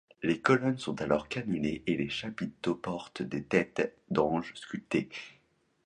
Les colonnes sont alors cannelées, et les chapiteaux portent des têtes d'anges sculptées.